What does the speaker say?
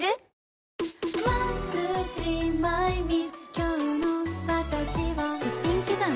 今日の私はすっぴん気分